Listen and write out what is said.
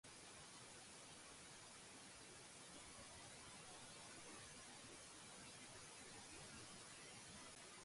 მას გააჩნია ბანის დიაპაზონის დაბალი რეგისტრის ხმა, რომელსაც მსმენელი ადვილად გამოარჩევს.